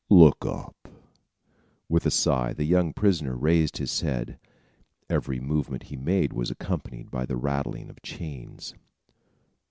"Look up." With a sigh, the young prisoner raised his head. Every movement he made was accompanied by the rattling of chains.